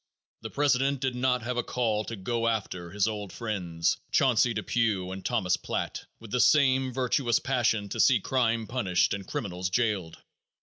The president did not have a call to "go after" his old friends, Chauncey Depew and Thomas Platt, with the same virtuous passion to see crime punished and criminals jailed.